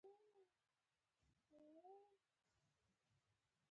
د ګازرې ریښه د سترګو د لید لپاره وکاروئ